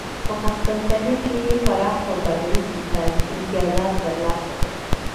په قسطنطنیه کې یې پراخ سوداګریز امتیازات ترلاسه کړل